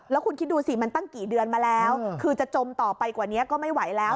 แล้วคุณคิดดูสิมันตั้งกี่เดือนมาแล้วคือจะจมต่อไปกว่านี้ก็ไม่ไหวแล้ว